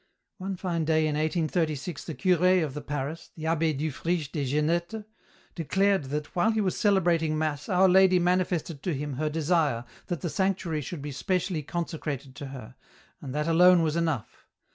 One fine day in 1836 the curd of the parish, the Abbe Dufriche Des Genettes, declared that while he was celebrating mass Our Lady manifested to him her desire that the sanctuary should be specially con secrated to her, and that alone was enough.